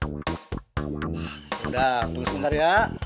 yaudah tunggu sebentar ya